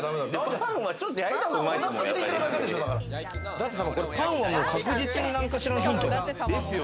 舘様、パンは確実に何かしらのヒントよ。